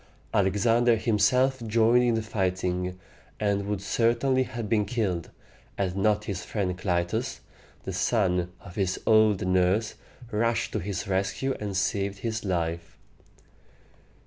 Alexander himself joined in the fighting, and would certainly have been killed had not his friend Clytus, the son of his old nurse, rushed to his rescue and saved his life.